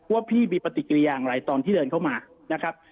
ว่าพี่มีปฏิกิริอย่างไรตอนที่เดินเข้ามานะครับ